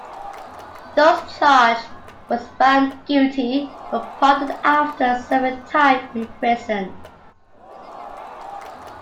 Those charged were found guilty, but pardoned after serving time in prison.